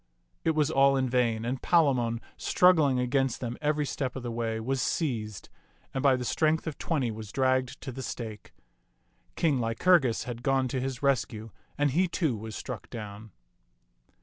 It was all in vain, and Palamon, struggling against them every step of the way, was seized, and by the strength of twenty was dragged to the stake. King Lycurgus had gone to his rescue, and he, too, was struck down.